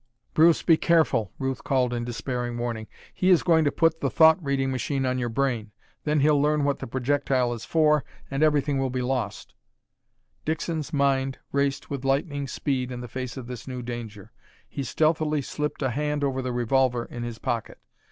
"Bruce, be careful!" Ruth called in despairing warning. "He is going to put the thought reading machine on your brain. Then he'll learn what the projectile is for, and everything will be lost!" Dixon's mind raced with lightning speed in the face of this new danger. He stealthily slipped a hand over the revolver in his pocket.